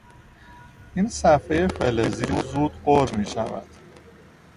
این صفحهی فلزی زود غر میشود.